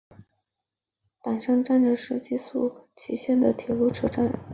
坂之上站指宿枕崎线的铁路车站。